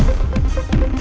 karma istri lah